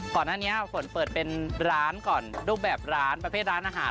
ก่อนหน้านี้ฝนเปิดเป็นร้านก่อนรูปแบบร้านประเภทร้านอาหาร